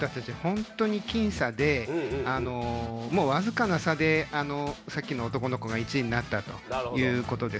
本当に僅差でわずかな差でさっきの男の子が１位になったということです。